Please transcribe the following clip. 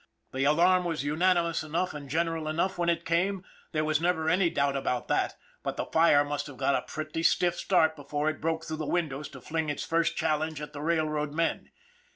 The alarm was unanimous enough and gen eral enough when it came, there was never any doubt about that, but the fire must have got a pretty stiff start before it broke through the windows to fling its first challenge at the railroad men.